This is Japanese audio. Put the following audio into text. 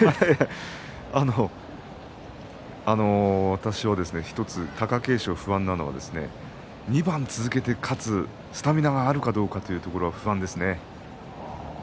私は１つ貴景勝、不安なのは２番続けて勝つスタミナがあるかどうかというところが不安ですね。